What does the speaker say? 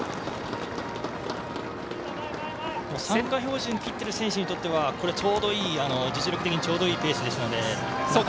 参加標準切ってる選手にとっては実力的にちょうどいいペースなので。